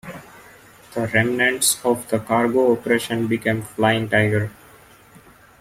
The remnants of the cargo operation became Flying Tiger.